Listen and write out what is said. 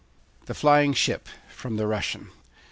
THE FLYING SHIP(24) (24) From the Russian.